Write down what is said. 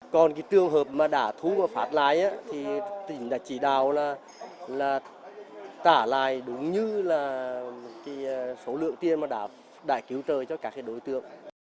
còn cái tương hợp mà đã thu và phát lái thì tỉnh đã chỉ đạo là tả lại đúng như là số lượng tiền mà đã cứu trời cho các đối tượng